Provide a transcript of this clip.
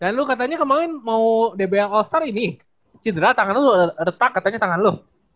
dan lu katanya kemaren mau dbl all star ini cedra tangan lu retak katanya tangan lu